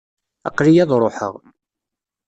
Aqli-iyi ad ruḥeɣ.